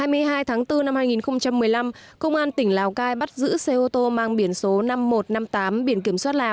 khoảng hai mươi hai h ngày hai mươi hai tháng bốn năm hai nghìn một mươi năm công an tỉnh lào cai bắt giữ xe ô tô mang biển số năm nghìn một trăm năm mươi tám biển kiểm soát lào